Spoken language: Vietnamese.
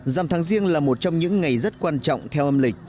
dằm tháng riêng là một trong những ngày rất quan trọng theo âm lịch